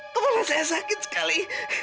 kepala saya sakit sekali